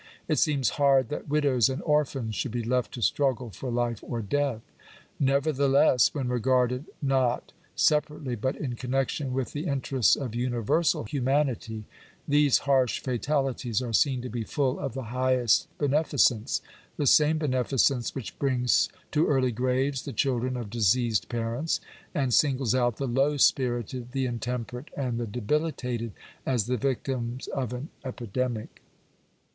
It seems hard that widows and orphans should be left to struggle for life or death. Nevertheless, when regarded not separately, but in connection/ with the interests of universal humanity, these harsh fatalities are seen to be full of the highest beneficence — the same be neficence which brings to early graves the children of diseased parents, and singles out the low spirited, the intemperate, and the debilitated as the victims of an epidemic.